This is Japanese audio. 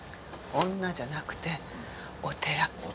女じゃなくてお寺。